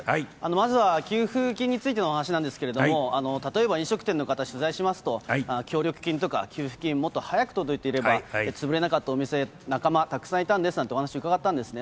まずは給付金についてのお話なんですけれども、例えば飲食店の方、取材しますと、協力金とか給付金、もっと早く届いていれば、潰れなかったお店、仲間、たくさんいたんですなんてお話を伺ったんですね。